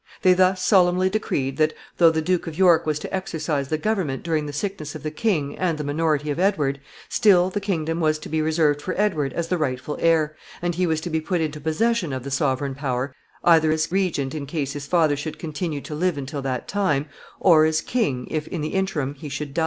They thus solemnly decreed that, though the Duke of York was to exercise the government during the sickness of the king and the minority of Edward, still the kingdom was to be reserved for Edward as the rightful heir, and he was to be put into possession of the sovereign power, either as regent in case his father should continue to live until that time, or as king if, in the interim, he should die.